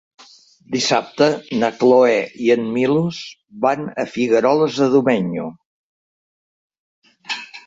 Dissabte na Cloè i en Milos van a Figueroles de Domenyo.